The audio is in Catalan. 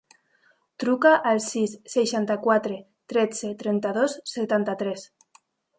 Truca al sis, seixanta-quatre, tretze, trenta-dos, setanta-tres.